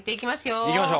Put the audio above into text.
いきましょう！